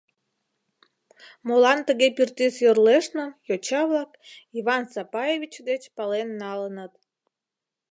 Молан тыге пӱртӱс йорлештмым йоча-влак Иван Сапаевич деч пален налыныт.